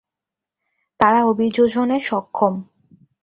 তারা অভিযোজনে সক্ষম।